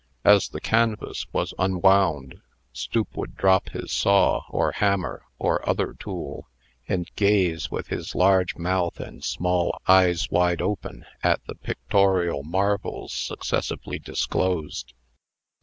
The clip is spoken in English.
As the canvas was unwound, Stoop would drop his saw, or hammer, or other tool, and gaze, with his large mouth and small eyes wide open, at the pictorial marvels successively disclosed.